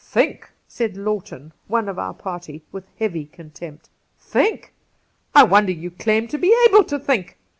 ' Think !' said Lawton (one of our party), with heavy contempt. ' Think ! I wonder you claim to be able to think